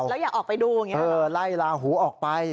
แล้วอย่าออกไปดูไล่ลาหูออกไป